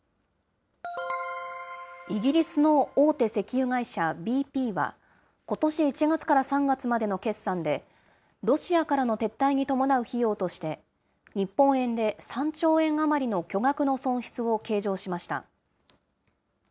イギリスの大手石油会社、ＢＰは、ことし１月から３月までの決算で、ロシアからの撤退に伴う費用として、日本円で３兆円余りの巨額の損失を計上しました。